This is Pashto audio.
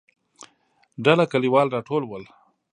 ډله کليوال راټول ول.